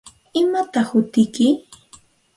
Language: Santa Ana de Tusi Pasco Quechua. ¿Imataq hutiyki?